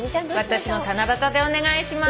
私も「七夕」でお願いしまーす。